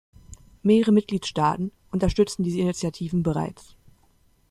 Mehrere Mitgliedstaaten unterstützen diese Initiativen bereits.